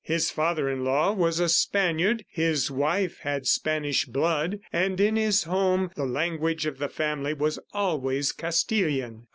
His father in law was a Spaniard, his wife had Spanish blood, and in his home the language of the family was always Castilian.